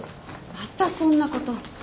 またそんなこと。